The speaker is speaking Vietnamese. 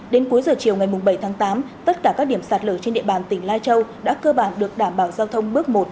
đến cuối giờ chiều ngày bảy tháng tám tất cả các điểm sạt lở trên địa bàn tỉnh lai châu đã cơ bản được đảm bảo giao thông bước một